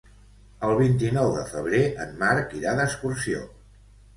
El vint-i-nou de febrer en Marc irà d'excursió.